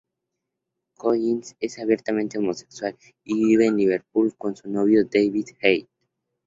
Collins es abiertamente homosexual y vive en Liverpool con su novio David Heath.